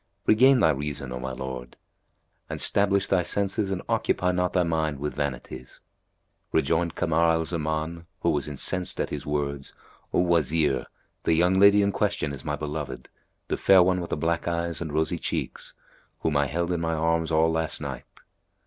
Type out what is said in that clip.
Regain thy reason, O my lord, and stablish thy senses and occupy not thy mind with vanities." Rejoined Kamar al Zaman who was incensed at his words, "O Wazir, the young lady in question is my beloved, the fair one with the black eyes and rosy cheeks, whom I held in my arms all last night."